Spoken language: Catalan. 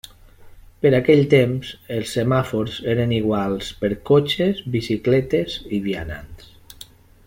Per aquell temps, els semàfors eren iguals per cotxes, bicicletes i vianants.